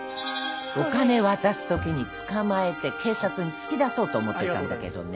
お金渡す時に捕まえて警察に突き出そうと思ってたんだけどね